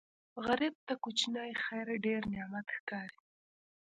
غریب ته کوچنی خیر ډېر نعمت ښکاري